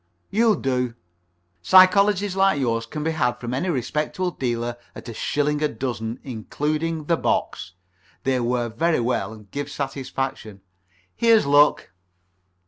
You'll do. Psychologies like yours can be had from any respectable dealer at a shilling a dozen, including the box. They wear very well and give satisfaction. Here's luck."